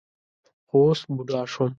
خو اوس بوډا شوم.